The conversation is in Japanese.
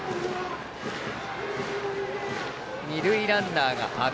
二塁ランナーが阿部。